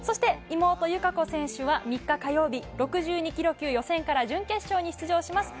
妹・友香子選手は３日火曜日、６２ｋｇ級予選から準決勝に出場します。